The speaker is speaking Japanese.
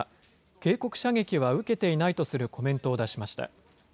警告射撃は受けていないとするコメントを出しました。